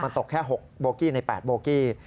ตกแค่๖โบกี้ใน๘โบกี้